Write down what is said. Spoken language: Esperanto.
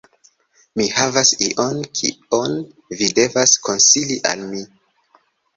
Mi havas ion kion vi devas konsili al mi